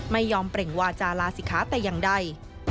ไม่ยอมเปล่งวาจาลาศิกขาแต่อย่างใด